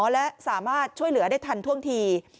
และสามารถช่วยเหลือได้ทันท่วงที